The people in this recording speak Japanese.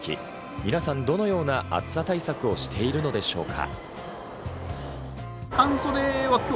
皆さん、どのような暑さ対策をしているのでしょうか？